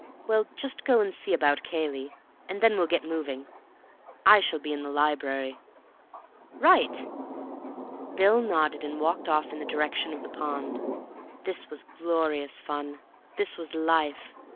"Well just go and see about Cayley, and then we'll get moving. I shall be in the library." "Right." Bill nodded and walked off in the direction of the pond. This was glorious fun; this was life.